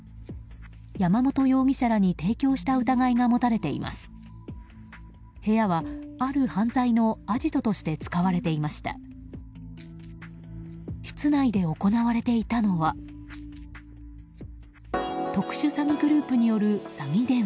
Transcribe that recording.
山本容疑者らに提供した疑いが持たれています。